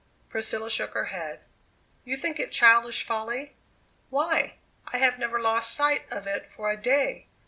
Priscilla shook her head. "You think it childish folly? Why, I have never lost sight of it for a day.